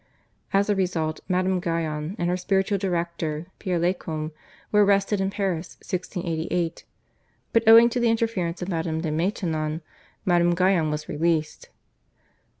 As a result Madame Guyon and her spiritual director, Pere Lacombe, were arrested in Paris (1688), but owing to the interference of Madame de Maintenon, Madame Guyon was released.